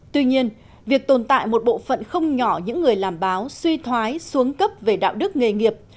tuy nhiên việc tồn tại một bộ phận không nhỏ những người làm báo suy thoái xuống cấp về đạo đức nghề nghiệp